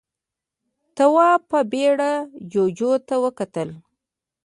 تواب په بيړه جُوجُو ته وکتل.